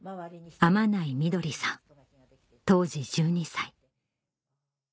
天内みどりさん当時１２歳